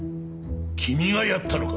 君がやったのか？